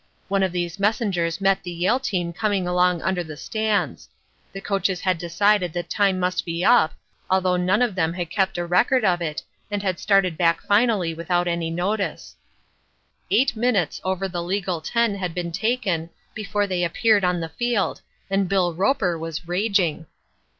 One of these messengers met the Yale team coming along under the stands. The coaches had decided that time must be up, although none of them had kept a record of it, and had started back finally without any notice. Eight minutes over the legal ten had been taken before they appeared on the field and Bill Roper was raging.